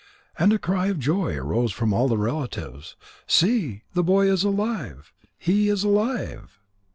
And a cry of joy arose from all the relatives: "See! The boy is alive! He is alive!"